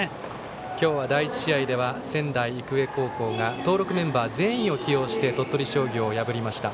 今日は、第１試合では仙台育英高校が登録メンバー全員を起用して鳥取商業を破りました。